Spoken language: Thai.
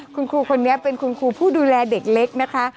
คุณครูคนนี้เป็นคุณครูผู้ดูแลเด็กเล็กนะคะ